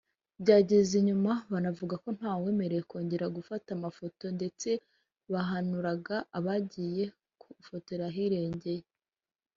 byageze nyuma banavuga ko nta wemerewe kongera gufata amafoto ndetse bahanuraga abagiye gufotorera ahirengeye